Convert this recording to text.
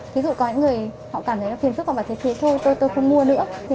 ví dụ có những người họ cảm thấy phiền phức họ bảo thế thôi tôi không mua nữa